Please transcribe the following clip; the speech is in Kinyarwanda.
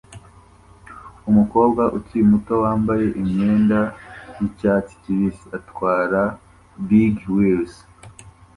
umukobwa ukiri muto wambaye imyenda yicyatsi kibisi atwara bigwheels